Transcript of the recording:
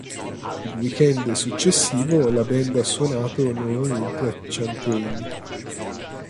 Il weekend successivo la band ha suonato nuovamente a Champaign.